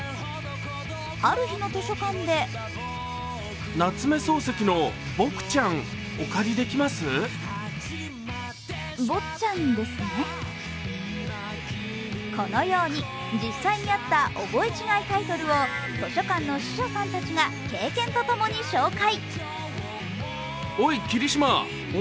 ある日の図書館でこのように、実際にあった覚え違いタイトルを図書館の司書さんたちが経験と共に紹介。